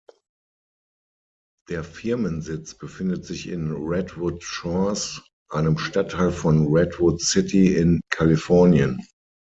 Der Firmensitz befindet sich in Redwood Shores, einem Stadtteil von Redwood City in Kalifornien.